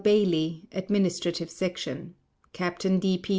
BAILEY Administrative Section CAPTAIN D. P.